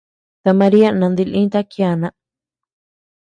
Ta Maria nandilïta kiana.